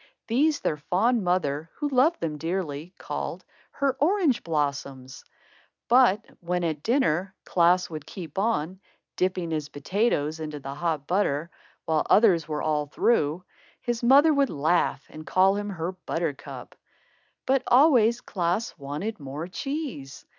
These, their fond mother, who loved them dearly, called her "orange blossoms"; but when at dinner, Klaas would keep on, dipping his potatoes into the hot butter, while others were all through, his mother would laugh and call him her Buttercup. But always Klaas wanted more cheese.